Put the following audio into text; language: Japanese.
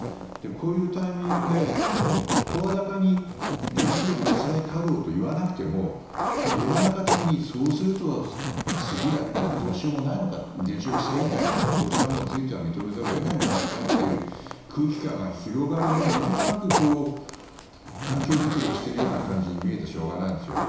こういうタイミングで声高に原子力の再稼働と言わなくても世の中的にそうすると、次はやっぱりどうしようもないのかと原子力規制委員会が判子を押したものについては認めざるを得ないんじゃないかという空気感が広がるのをなんとなく環境作りをしているような感じに見えてしょうがないんですよ。